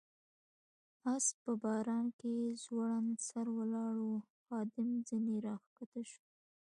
آس په باران کې ځوړند سر ولاړ و، خادم ځنې را کښته شو.